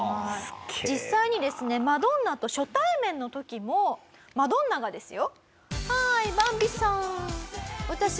実際にですねマドンナと初対面の時もマドンナがですよ。